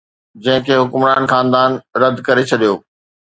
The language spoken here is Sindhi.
جنهن کي حڪمران خاندان رد ڪري ڇڏيو